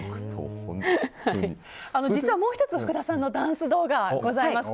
実はもう１つ福田さんのダンス動画がございます。